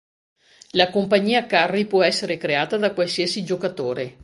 La compagnia carri può essere creata da qualsiasi giocatore.